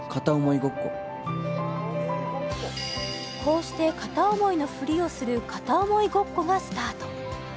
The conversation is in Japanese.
こうして片想いのふりをする片想いごっこがスタート